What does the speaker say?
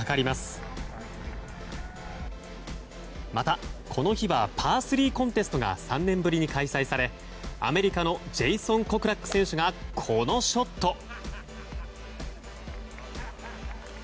また、この日はパー３コンテストが３年ぶりに開催されアメリカのジェイソン・コクラック選手がこのショット。